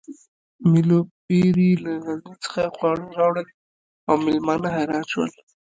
مېلو پېري له غزني څخه خواړه راوړل او مېلمانه حیران شول